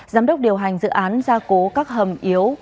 giám đốc điều hành dự án gia cố các hầm yếu